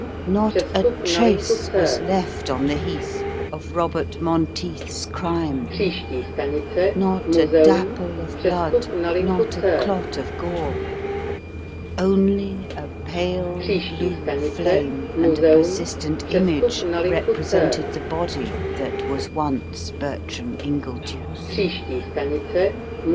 Not a trace was left on the heath of Robert Monteith's crime: not a dapple of blood, not a clot of gore: only a pale blue flame and a persistent image represented the body that was once Bertram Ingledew's.